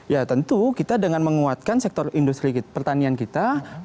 ya tentu kita dengan menguatkan sektor industri pertanian kita